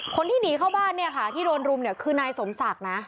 คนที่หนีเข้าบ้านเนี่ยค่ะที่โดนรุมเนี่ยคือนายสมศักดิ์นะ